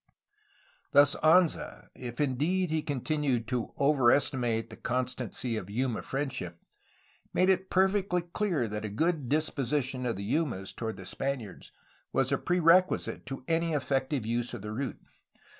Thus Anza, if indeed he continued to overestimate the con stancy of Yuma friendship, made it perfectly clear that a good disposition of the Yumas toward the Spaniards was a prerequisite to any effective use of the route.